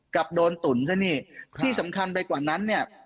กลับโดนตุ๋นซะนี่ที่สำคัญไปกว่านั้นเนี่ย